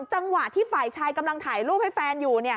จังหวะที่ฝ่ายชายกำลังถ่ายรูปให้แฟนอยู่